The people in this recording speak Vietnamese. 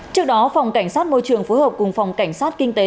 trước đó phòng cảnh sát môi trường phối hợp cùng phòng cảnh sát kinh tế